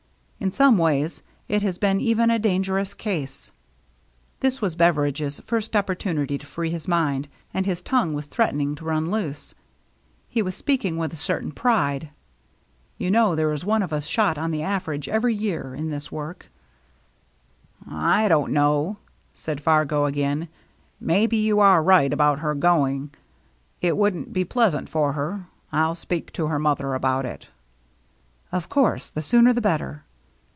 In some ways it has been even a dangerous case." This was Beveridge's first opportunity to free his mind, and his tongue was threatening to run loose. He was speak ing with a certain pride. " You know there is one of us shot, on the average, every year, in this work." 1 84 THE MERRT ANNE " I don't know," said Fargo again. " Maybe you are right about her going. It wouldn't be pleasant for her. I'll speak to her mother about it." " Of course, the sooner the better."